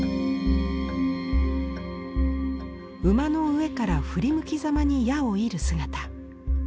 馬の上から振り向きざまに矢を射る姿。